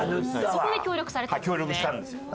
そこで協力されたんですね。